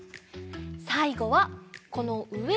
さいごはこのうえに。